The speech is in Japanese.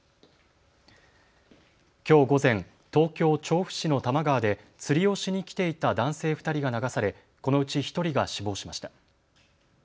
きょう午前、東京調布市の多摩川で釣りをしに来ていた男性２人が流されこのうち１人が死亡しました。